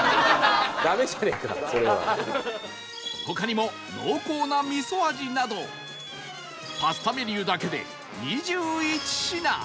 他にも濃厚な味噌味などパスタメニューだけで２１品